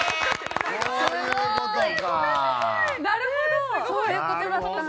なるほど！